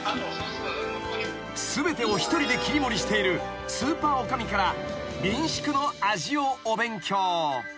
［全てを一人で切り盛りしているスーパー女将から民宿の味をお勉強］